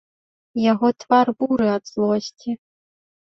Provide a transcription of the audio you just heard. Яго твар буры ад злосці.